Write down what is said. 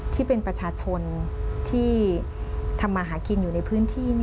ที่เป็นประชาชนที่ทำมาหากินอยู่ในพื้นที่